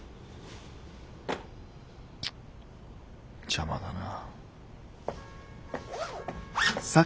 邪魔だな。